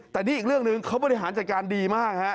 แต่นี่อีกเรื่องหนึ่งเขาบริหารจัดการดีมากฮะ